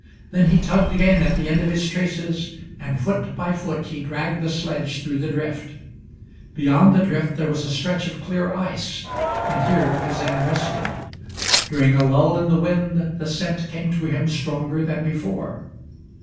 Then he tugged again at the end of his traces, and foot by foot he dragged the sledge through the drift. Beyond the drift there was a stretch of clear ice, and here Kazan rested. During a lull in the wind the scent came to him stronger than before.